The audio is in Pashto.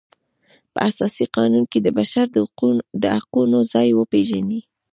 په اساسي قانون کې د بشر د حقونو ځای وپیژني.